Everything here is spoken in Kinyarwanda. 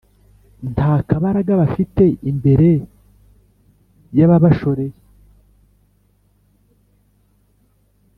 nta kabaraga bafite, imbere y’ababashoreye.